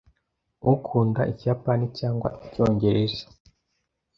Ukunda Ikiyapani cyangwa Icyongereza?